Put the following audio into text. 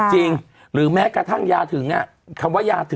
จริงหรือแม้กระทั่งยาถึงอ่ะ